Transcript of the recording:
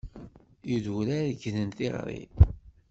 Idurar gren tiγri.